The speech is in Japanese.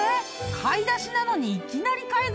買い出しなのにいきなり買い食い⁉］